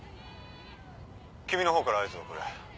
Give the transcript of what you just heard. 君の方から合図をくれ。